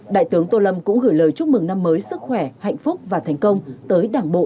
đại tướng tô lâm cũng gửi lời chúc mừng năm mới sức khỏe hạnh phúc và thành công tới đảng bộ